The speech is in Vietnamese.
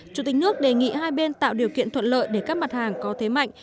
chủ tịch nước đề nghị hai bên tạo điều kiện thuận lợi để các mặt hàng có thế mạnh